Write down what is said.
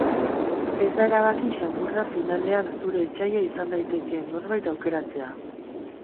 Ez da erabaki samurra finalean zure etsaia izan daitekeen norbait aukeratzea.